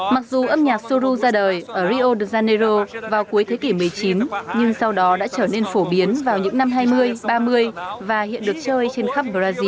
mặc dù âm nhạc sô lô ra đời ở rio de janeiro vào cuối thế kỷ một mươi chín nhưng sau đó đã trở nên phổ biến vào những năm hai mươi ba mươi và hiện được chơi trên khắp brazil